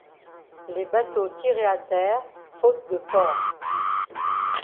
Les bateaux tirés à terre, faute de port